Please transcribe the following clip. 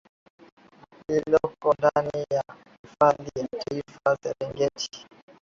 lililoko ndani ya hifadhi ya taifa ya Serengeti